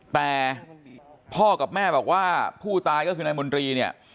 แต่พ่อกับแม่บอกว่าผู้ตายก็คือนายมนตรีเนี่ย